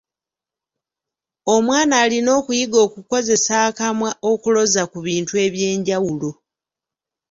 Omwana alina okuyiga okukozesa akamwa okuloza ku bintu eby'enjawulo.